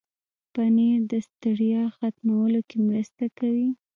پنېر د ستړیا ختمولو کې مرسته کوي.